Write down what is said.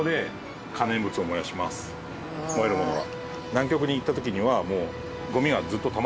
燃えるものは。